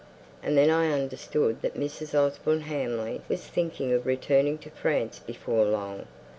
And then I understood that Mrs. Osborne Hamley was thinking of returning to France before long?